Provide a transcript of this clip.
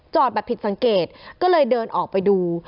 แบบผิดสังเกตก็เลยเดินออกไปดู